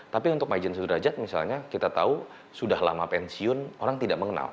tapi untuk majen sudrajat misalnya kita tahu sudah lama pensiun orang tidak mengenal